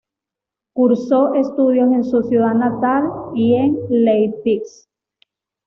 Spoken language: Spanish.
Cursó estudios en su ciudad natal y en Leipzig.